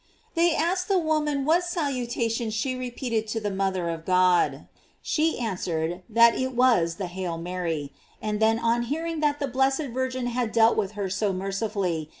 They ask ed the woman what salutation she repeated to the mother of God, She answered that it was the "Hail Mary;" and then on hearing that the blessed Virgin had dealt with her so mercifully GLORIES OF MAEY.